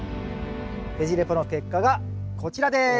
ベジ・レポの結果がこちらです。